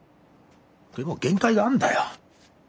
でも限界があんだよ。